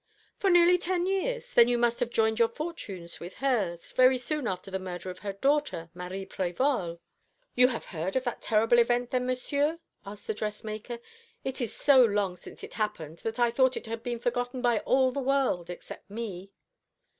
"For nearly ten years? Then you must have joined your fortunes with hers very soon after the murder of her daughter, Marie Prévol?" "You have heard of that terrible event, then, Monsieur?" asked the dressmaker. "It is so long since it happened that I thought it had been forgotten by all the world except me."